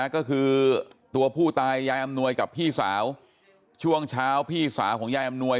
ก็คือตัวผู้ตายยายอำนวยกับพี่สาวช่วงเช้าพี่สาวของยายอำนวย